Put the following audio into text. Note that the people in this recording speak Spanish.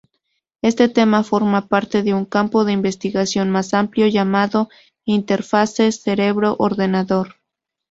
Este tema forma parte de un campo de investigación más amplio llamado interfaces cerebro-ordenador.